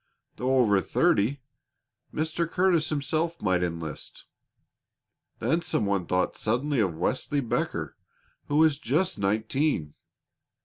Though over thirty, Mr. Curtis himself might enlist. Then some one thought suddenly of Wesley Becker, who was just nineteen.